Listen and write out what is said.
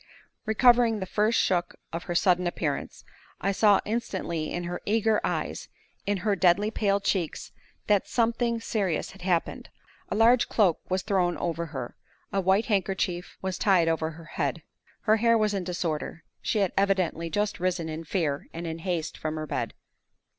Recovering the first shook of her sudden appearance, I saw instantly in her eager eyes, in her deadly pale cheeks, that something serious had happened. A large cloak was thrown over her; a white handkerchief was tied over her head. Her hair was in disorder; she had evidently just risen in fear and in haste from her bed.